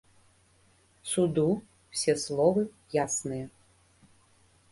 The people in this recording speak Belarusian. Суду ўсе словы ясныя!